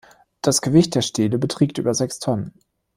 Das Gewicht der Stele beträgt über sechs Tonnen.